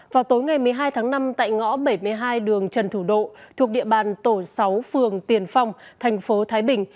vào tối ngày một mươi hai tháng năm tại ngõ bảy mươi hai đường trần thủ độ thuộc địa bàn tổ sáu phường tiền phong thành phố thái bình